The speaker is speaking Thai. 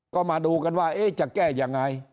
ก็มาดูกันว่าจะแก้ยังไง